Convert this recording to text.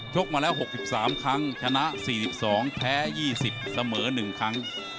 กมาแล้ว๖๓ครั้งชนะ๔๒แพ้๒๐เสมอ๑ครั้ง